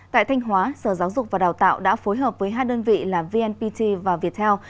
tại thanh hóa sở giáo dục và đào tạo đã phối hợp với hai đơn vị là vnpt và viettel